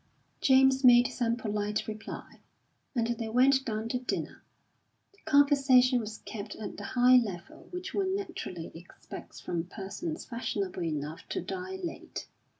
James made some polite reply, and they went down to dinner. The conversation was kept at the high level which one naturally expects from persons fashionable enough to dine late.